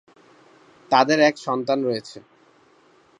তাদের এক সন্তান রয়েছে।